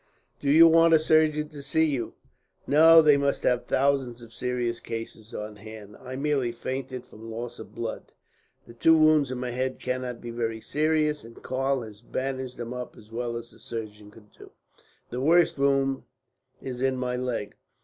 "Do you want a surgeon to see you?" "No, they must have thousands of serious cases on hand. I merely fainted from loss of blood. The two wounds in my head cannot be very serious, and Karl has bandaged them up as well as a surgeon could do. The worst wound is in my leg.